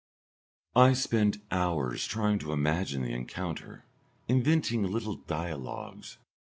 I spend hours trying to imagine the encounter, inventing little dialogues.